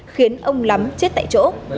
khiến ông lắm chết tại chỗ